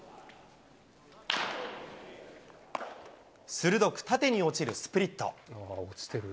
鋭く縦に落ちるスプリット。